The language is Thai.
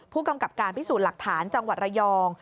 ผู้กำกับการพิสูจน์หลักฐานจังหวัดระยอง